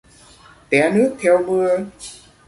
Té nước theo mưa.